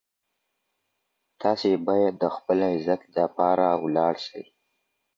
تاسي باید د خپل عزت دپاره ولاړ سئ.